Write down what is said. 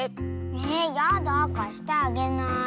えやだかしてあげない。